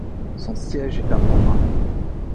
Son siège est Mora.